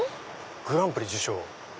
「グランプリ受賞」。